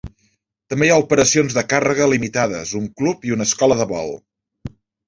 També hi ha operacions de càrrega limitades, un club i una escola de vol.